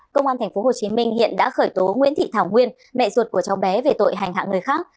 công an tp hcm hiện đã khởi tố nguyễn thị thảo nguyên mẹ ruột của cháu bé về tội hành hạ người khác